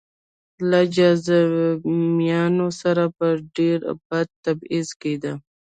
له جذامیانو سره به ډېر بد تبعیض کېده.